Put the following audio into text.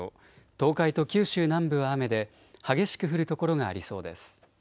東海と九州南部は雨で激しく降る所がありそうです。